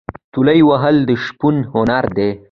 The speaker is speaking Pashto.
تولې وهل د شپون هنر دی.